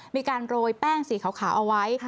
มีการโรยแป้งสีขาวเอาไว้